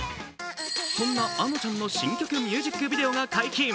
そんな、あのちゃんの新曲ミュージックビデオが解禁。